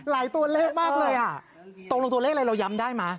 ตัวเลขมากเลยอ่ะตกลงตัวเลขอะไรเราย้ำได้มั้